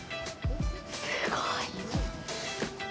すごい！